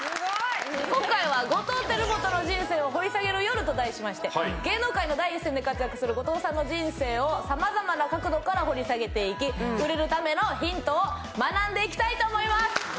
今回は「後藤輝基の人生を掘り下げる夜」と題しまして芸能界の第一線で活躍する後藤さんの人生をさまざまな角度から掘り下げていき売れるためのヒントを学んでいきたいと思います。